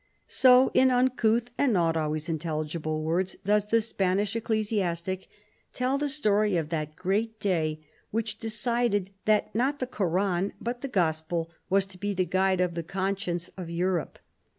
So, in uncouth and not always intelligible words, does the Spanish ecclesiastic tell the story of that great day, which decided that not the Koran but the Gospel was to be the guide of the conscience of Europe.